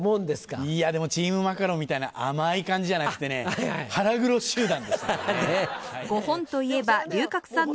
いやでもチームマカロンみたいな甘い感じじゃなくてね腹黒集団でしたね。